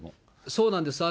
そうなんです。